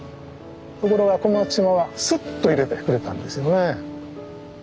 ところが小松島はすっと入れてくれたんですよね。